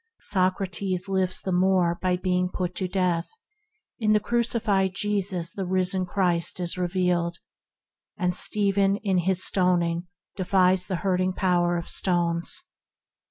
Soc rates lives the more by being put to death; in the crucified Jesus the risen Christ is revealed, and Stephen in receiving his stoning defies the hurting power of stones.